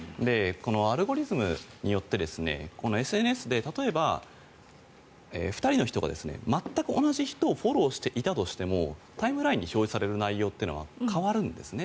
アルゴリズムによってＳＮＳで例えば２人の人が全く同じ人をフォローしていたとしてもタイムラインに表示される内容というのは変わるんですね。